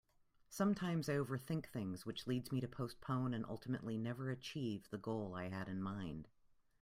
Sometimes I overthink things which leads me to postpone and ultimately never achieve the goal I had in mind.